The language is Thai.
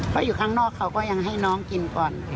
เพราะอยู่ข้างนอกเขาก็ยังให้น้องกินก่อน